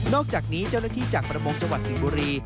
อกจากนี้เจ้าหน้าที่จากประมงจังหวัดสิงห์บุรี